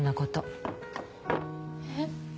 えっ？